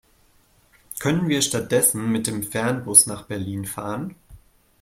Können wir stattdessen mit dem Fernbus nach Berlin fahren?